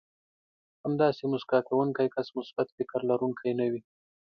همداسې مسکا کوونکی کس مثبت فکر لرونکی نه وي.